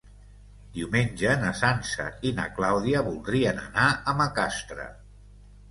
Diumenge na Sança i na Clàudia voldrien anar a Macastre.